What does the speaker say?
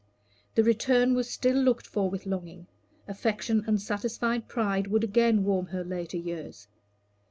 The return was still looked for with longing; affection and satisfied pride would again warm her later years.